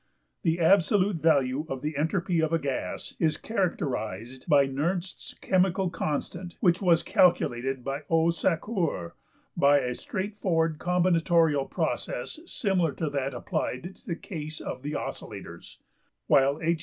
The absolute value of the entropy of a gas is characterized by Nernst's chemical constant, which was calculated by O.~Sackur by a straightforward combinatorial process similar to that applied to the case of the oscillators(28), while H.